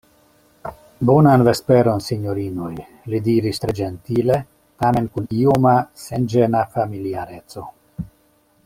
Bonan vesperon, sinjorinoj, li diris tre ĝentile, tamen kun ioma, senĝena familiareco.